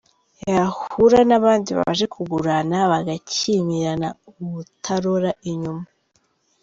Yahura n’abandi baje kugurana bagakimirana ubutarora inyuma.